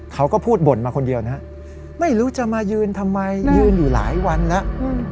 เขาก็พูดบ่นมาคนเดียวนะฮะไม่รู้จะมายืนทำไมยืนอยู่หลายวันแล้ว